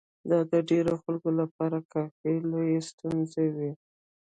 دا د ډېرو خلکو لپاره کافي لويې ستونزې وې.